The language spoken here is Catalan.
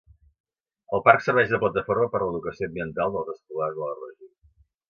El parc serveix de plataforma per l'educació ambiental dels escolars de la regió.